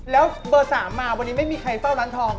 แล้วเบอร์๓มาวันนี้ไม่มีใครเฝ้าร้านทอง